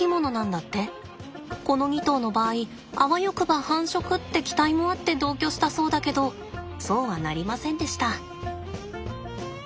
この２頭の場合あわよくば繁殖って期待もあって同居したそうだけどそうはなりませんでした。